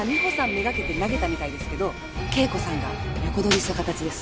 目がけて投げたみたいですけど圭子さんが横取りした形です。